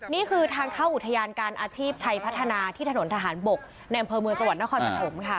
นี่คือทางเข้าอุทยานการอาชีพชัยพัฒนาที่ถนนทหารบกในอำเภอเมืองจังหวัดนครปฐมค่ะ